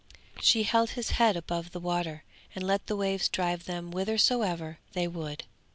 She held his head above the water and let the waves drive them whithersoever they would.